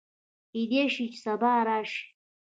کېدی شي چې سبا راشي